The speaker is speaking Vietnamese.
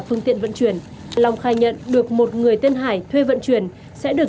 phương tiện vận chuyển long khai nhận được một người tên hải thuê vận chuyển sẽ được